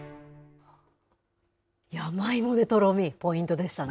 山芋でとろみ、ポイントでしたね。